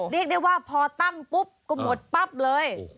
เรียกได้ว่าพอตั้งปุ๊บก็หมดปั๊บเลย